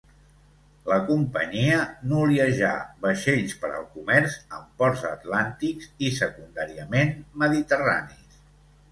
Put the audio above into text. La companyia noliejà vaixells per al comerç amb ports atlàntics i, secundàriament, mediterranis.